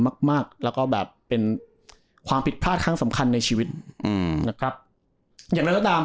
มากมากแล้วก็แบบเป็นความผิดพลาดครั้งสำคัญในชีวิตอืมนะครับอย่างไรก็ตาม